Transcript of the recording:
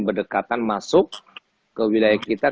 berdekatan masuk ke wilayah kita